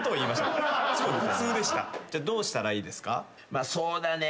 まあそうだね。